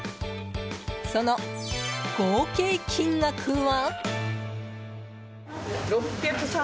その合計金額は？